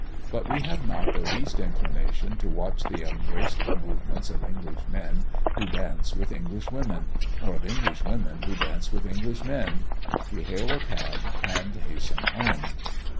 But we have not the least inclination to watch the ungraceful movements of English men who dance with English women, or of English women who dance with English men. We hail a cab and hasten home.